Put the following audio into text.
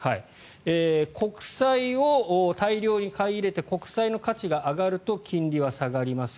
国債を大量に買い入れて国債の価値が上がると金利は下がります。